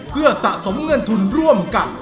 เพื่อสะสมเงินทุนร่วมกัน